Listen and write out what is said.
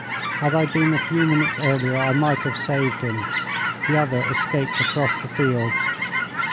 Had I been a few minutes earlier, I might have saved him. The other escaped across the fields.'